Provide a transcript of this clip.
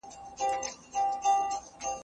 د لوی ضرر په مقابل کي دي کوچنی ضرر انتخاب سي.